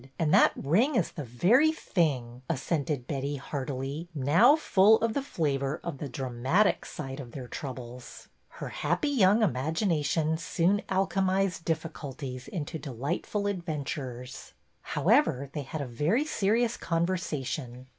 And that ring is the very thing," assented Betty, heartily, now full of the flavor of the dramatic side of their troubles. Her happy young imagination soon alchemized difficulties into delightful adventures. However, they had a very serious conversation.